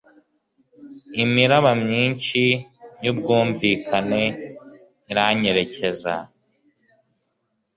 Imiraba myinshi yubwumvikane iranyerekeza